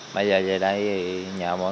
bây giờ về đây nhà mọi người